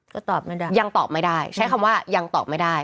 ก็ตอบไม่ได้ยังตอบไม่ได้ใช้คำว่ายังตอบไม่ได้